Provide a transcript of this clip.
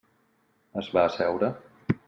Es va asseure.